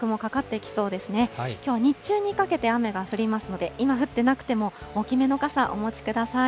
きょうは日中にかけて雨が降りますので、今降ってなくても、大きめの傘お持ちください。